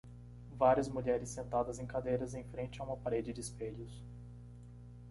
Várias mulheres sentadas em cadeiras em frente a uma parede de espelhos.